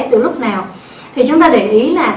từ lúc nào thì chúng ta để ý là